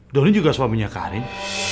doni juga suaminya karin